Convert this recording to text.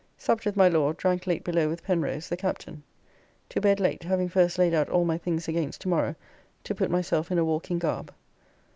Supped with my Lord, drank late below with Penrose, the Captain. To bed late, having first laid out all my things against to morrow to put myself in a walking garb.